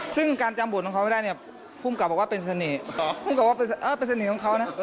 ซึ่งการจำบทของเขาไม่ได้เนี่ยภูมิกับบอกว่าเป็นเสน่ห์ภูมิกับว่าเป็นเสน่ห์ของเขานะ